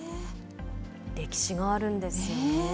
歴史があるんですよね。